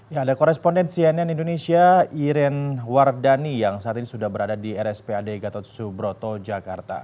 ya ada koresponden cnn indonesia iren wardani yang saat ini sudah berada di rspad gatot subroto jakarta